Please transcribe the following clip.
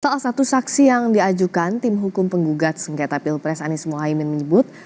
salah satu saksi yang diajukan tim hukum penggugat sengketa pilpres anies mohaimin menyebut